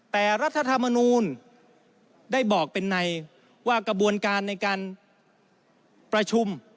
แต่รัฐธรรมนูลได้บอกเป็นในว่ากระบวนการในการประชุม